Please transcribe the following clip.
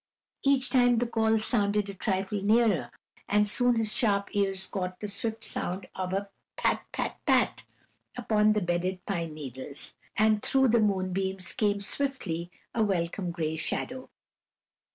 Each time the calls sounded a trifle nearer, and soon his sharp ears caught the swift sound of a "pat, pat, pat" upon the bedded pine needles, and through the moonbeams came swiftly a welcome gray shadow.